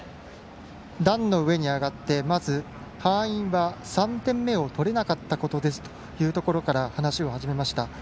段の上に上がって、まず敗因は３点目を取れなかったことですというところから話を始めました。